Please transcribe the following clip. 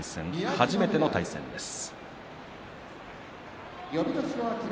初めての対戦です。